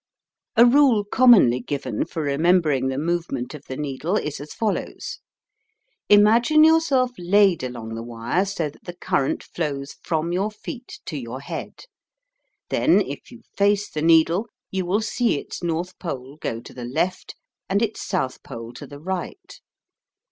A rule commonly given for remembering the movement of the needle is as follows: Imagine yourself laid along the wire so that the current flows from your feet to your head; then if you face the needle you will see its north pole go to the left and its south pole to the right.